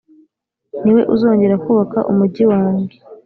ni we uzongera kubaka umugi wanjye,